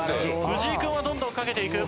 藤井君はどんどんかけていく。